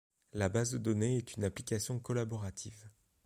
La base de données est une application collaborative.